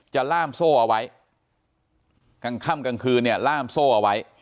ล่ามโซ่เอาไว้กลางค่ำกลางคืนเนี่ยล่ามโซ่เอาไว้